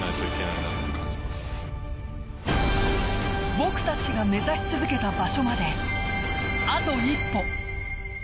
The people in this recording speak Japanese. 僕たちが目指し続けた場所まであと一歩。